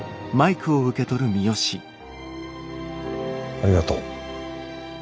ありがとう。